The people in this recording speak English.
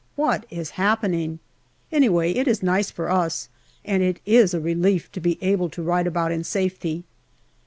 What is happening ? Anyway, it is nice for us, and it is a relief to be able to ride about in safety.